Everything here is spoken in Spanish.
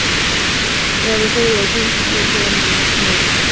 Al arresto de La Voisin siguió el de Trianon el mes de mayo.